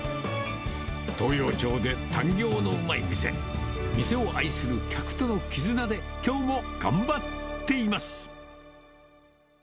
東陽町でタンギョーのうまい店、店を愛する客との絆で、きょうも頑張っています。